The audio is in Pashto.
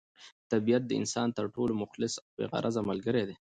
طبیعت د انسان تر ټولو مخلص او بې غرضه ملګری دی.